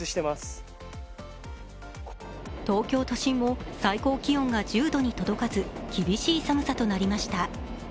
東京都心も最高気温が１０度に届かず、厳しい寒さとなりました。